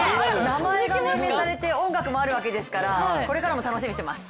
名前が命名されて音楽もあるわけですからこれからも楽しみにしています。